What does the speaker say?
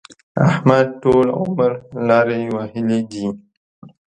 احمد ټول عمر لارې وهلې دي.